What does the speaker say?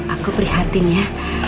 aku prihatin ya